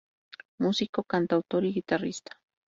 Músico, cantautor y guitarrista.